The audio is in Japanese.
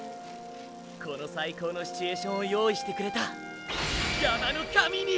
この最高のシチュエーションを用意してくれた山の神に！